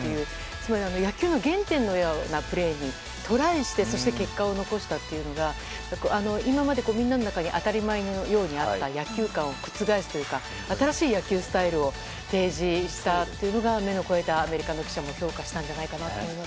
つまり野球の原点のようなプレーにトライしてそして結果を残したというのが今まで、みんなの中に当たり前のようにあった野球観を覆すというか新しい野球スタイルを提示したというのが目の肥えたアメリカの記者も評価したんじゃないかと思います。